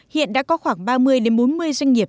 hiện đã có khoảng ba mươi bốn mươi doanh nghiệp